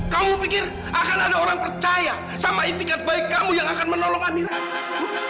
kamu pikir akan ada orang percaya sama intikan sebaik kamu yang akan menolong amirah